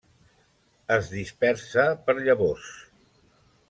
Es dispersa per llavors.